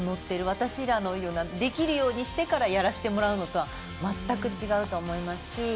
私らのようにできるようにしてからやらせてもらうのとは全く違うと思いますし。